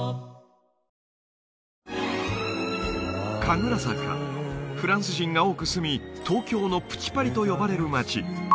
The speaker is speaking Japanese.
神楽坂フランス人が多く住み東京の「プチ・パリ」と呼ばれる街